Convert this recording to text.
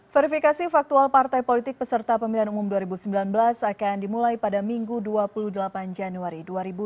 verifikasi faktual partai politik peserta pemilihan umum dua ribu sembilan belas akan dimulai pada minggu dua puluh delapan januari dua ribu dua puluh